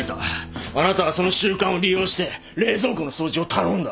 あなたはその習慣を利用して冷蔵庫の掃除を頼んだ。